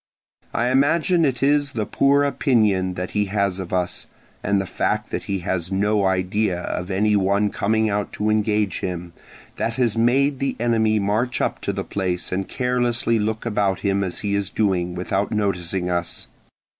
I imagine it is the poor opinion that he has of us, and the fact that he has no idea of any one coming out to engage him, that has made the enemy march up to the place and carelessly look about him as he is doing, without noticing us.